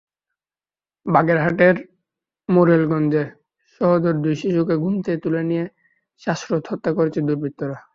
বাগেরহাটের মোরেলগঞ্জে সহোদর দুই শিশুকে ঘুম থেকে তুলে নিয়ে শ্বাসরোেধ হত্যা করেছে দুর্বৃত্তরা।